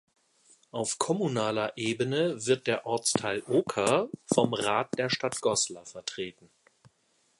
Auf kommunaler Ebene wird der Ortsteil Oker vom Rat der Stadt Goslar vertreten.